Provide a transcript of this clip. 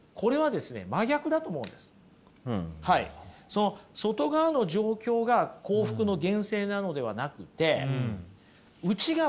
その外側の状況が幸福の源泉なのではなくて内側。